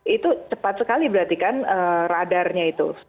itu cepat sekali berarti kan radarnya itu